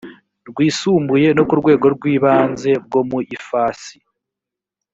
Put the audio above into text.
rwisumbuye no ku rwego rw ibanze bwo mu ifasi